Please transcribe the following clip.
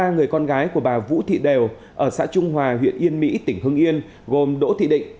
ba người con gái của bà vũ thị đều ở xã trung hòa huyện yên mỹ tỉnh hưng yên gồm đỗ thị định